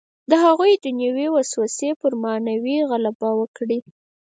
د هغوی دنیوي وسوسې پر معنوي غلبه وکړي.